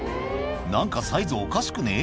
なんかサイズおかしくね？